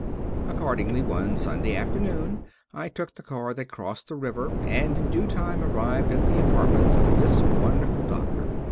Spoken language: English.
Accordingly, one Sunday afternoon I took the car that crossed the river, and in due time arrived at the apartments of this wonderful doctor.